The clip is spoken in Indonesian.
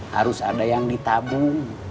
harus ada yang ditabung